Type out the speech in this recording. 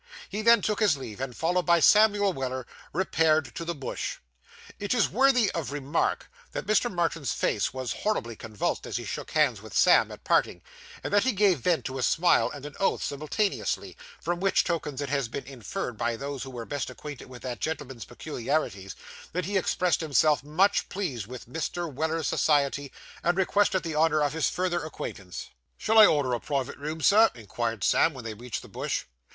He then took his leave, and, followed by Samuel Weller, repaired to the Bush. It is worthy of remark, that Mr. Martin's face was horribly convulsed as he shook hands with Sam at parting, and that he gave vent to a smile and an oath simultaneously; from which tokens it has been inferred by those who were best acquainted with that gentleman's peculiarities, that he expressed himself much pleased with Mr. Weller's society, and requested the honour of his further acquaintance. 'Shall I order a private room, Sir?' inquired Sam, when they reached the Bush.